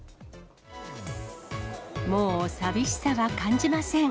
もう寂しさは感じません。